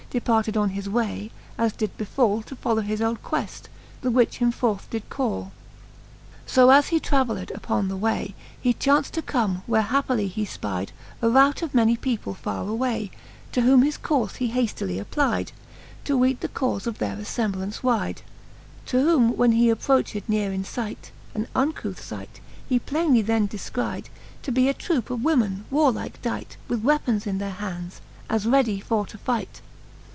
Departed on his way, as did befall. To follow his old queft, the which him forth did call. XXI. So 5 6 W^ fifth Booke of Canto IV. XXI. So as he travelled uppon the way, He chaunft to come, where happily he fpide A rout of many people farre away ; To whom his courfe he haftily applide. To weete the caufe of their aflemblaunce wide.* To whom when he approched neare in light, (An uncouth fight) he plainely then defcride To be a troupe of women warlike dight, With weapons in their hands, as ready for to fight.